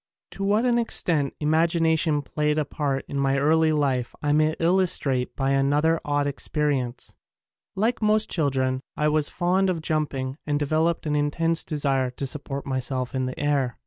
To what an extent imagination played a part in my early life I may illustrate by another odd experience. Like most chil dren I was fond of jumping and developed an intense desire to support myself in the air.